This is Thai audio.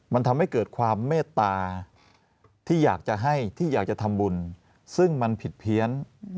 มันทำให้เกิดความเมตตาที่อยากจะให้ที่อยากจะทำบุญซึ่งมันผิดเพี้ยน